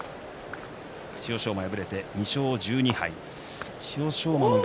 千代翔馬、敗れて２勝１２敗。